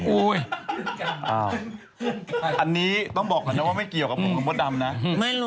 อุ้ยอันนี้ต้องบอกก่อนนะว่าไม่เกี่ยวกับผมกับพ่อดำนะ